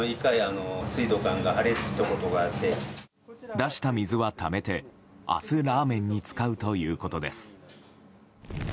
出した水はためて、明日ラーメンに使うということです。